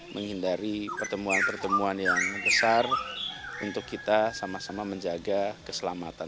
menghindari pertemuan pertemuan yang besar untuk kita sama sama menjaga keselamatan